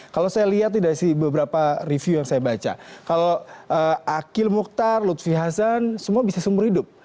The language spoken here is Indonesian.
kalau saya lihat di dalam beberapa review yang saya baca kalau akil mukhtar lutfi hasan semua bisa seumur hidup